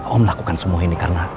om lakukan semua ini karena